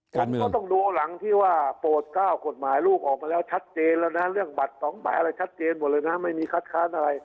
ฉันก็ต้องดูหลังที่ว่าโปรด๙กฎหมายลูกออกมาแล้วชัดเจนแล้วนะเรื่องบัตร๒ใบอะไรชัดเจนหมดเลยนะไม่มีคัดค้านอะไร